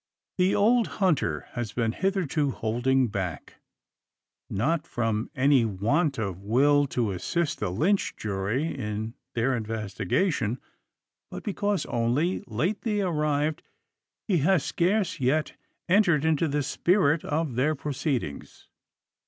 The old hunter has been hitherto holding back; not from any want of will to assist the lynch jury in their investigation, but because, only lately arrived, he has scarce yet entered into the spirit of their proceedings.